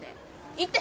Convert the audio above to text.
行って。